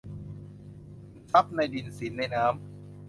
ทรัพย์ในดิน สินในน้ำ